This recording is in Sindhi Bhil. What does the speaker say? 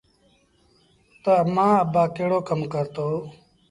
تا امآݩ ابآ ڪهڙو ڪم ڪرتو